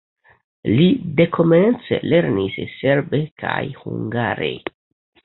Li dekomence lernis serbe kaj hungare.